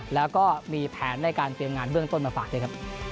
และมีแผนในการเตรียมงานเบื้องต้นมาฝาก